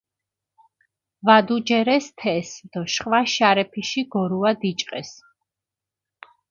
ვადუჯერეს თეს დო შხვა შარეფიში გორუა დიჭყეს.